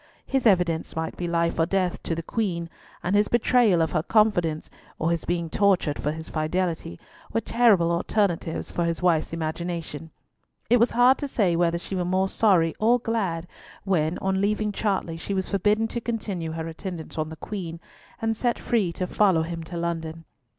His evidence might be life or death to the Queen, and his betrayal of her confidence, or his being tortured for his fidelity, were terrible alternatives for his wife's imagination. It was hard to say whether she were more sorry or glad when, on leaving Chartley, she was forbidden to continue her attendance on the Queen, and set free to follow him to London.